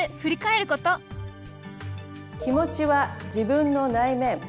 気持ちは自分の内面。